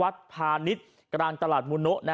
โอ้โหพังเรียบเป็นหน้ากล่องเลยนะครับ